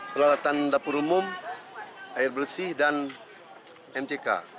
peralatan dapur umum air bersih dan mck